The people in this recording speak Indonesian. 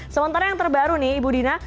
sementara yang terbaru nih ibu dina